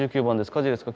火事ですか？